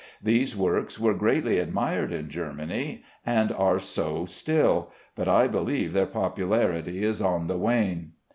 These works were greatly admired in Germany, and are so still, but I believe their popularity is on the wane.